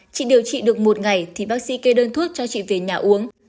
chị điều trị được một ngày thì bác sĩ kê đơn thuốc cho chị về nhà uống